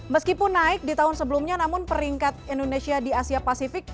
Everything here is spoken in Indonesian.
meskipun naik di tahun sebelumnya namun peringkat indonesia di asia pasifik